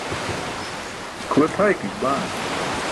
kʰuwe tʰaykuik baan